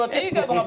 pak amin rais